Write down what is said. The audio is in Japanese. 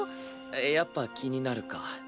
やっぱ気になるか。